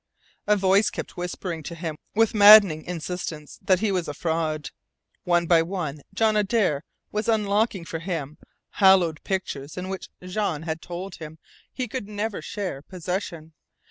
A voice kept whispering to him with maddening insistence that he was a fraud. One by one John Adare was unlocking for him hallowed pictures in which Jean had told him he could never share possession.